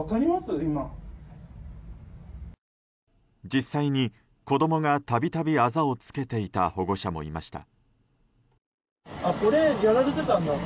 実際に子供が度々あざをつけていた保護者もいました。